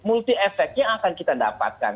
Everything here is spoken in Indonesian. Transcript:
multi efeknya akan kita dapatkan